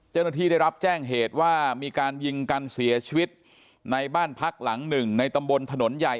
เจ้าหน้าที่ได้รับแจ้งเหตุว่ามีการยิงกันเสียชีวิตในบ้านพักหลังหนึ่งในตำบลถนนใหญ่